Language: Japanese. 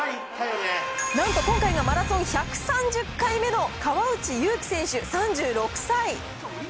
なんと今回のマラソン１３０回目の川内優輝選手３６歳。